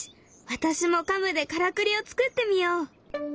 私もカムでからくりを作ってみよう。